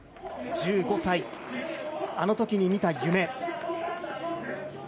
１５歳、あの時に見た夢。